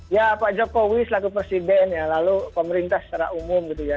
ya pak jokowi selaku presiden ya lalu pemerintah secara umum gitu ya